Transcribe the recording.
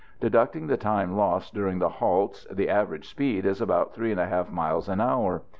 Deducting the time lost during the halts, the average speed is about 3 1/2 miles an hour.